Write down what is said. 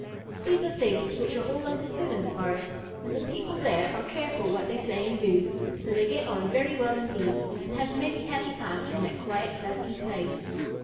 These are things which are all understood in the forest, and the people there are careful what they say and do, so they get on very well indeed, and have many happy times in that quiet, dusky place.